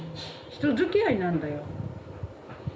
人づきあいなんだよ。